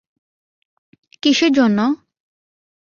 কীসের জন্য?